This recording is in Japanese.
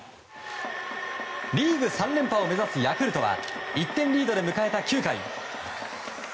リーグ３連覇を目指すヤクルトは１点リードで迎えた９回。